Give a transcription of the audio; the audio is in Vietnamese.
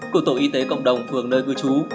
của tổ y tế cộng đồng phường nơi ngư chú